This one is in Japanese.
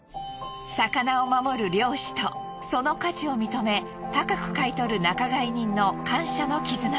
魚を守る漁師とその価値を認め高く買い取る仲買人の感謝の絆。